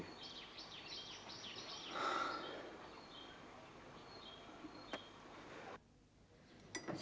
sebelum beliau bercerita lebih banyak lagi